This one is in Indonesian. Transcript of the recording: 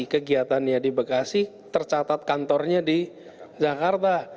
kegiatannya di bekasi tercatat kantornya di jakarta